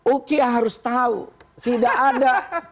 uki harus tahu tidak ada